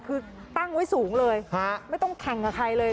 คือตั้งไว้สูงเลยไม่ต้องแข่งกับใครเลย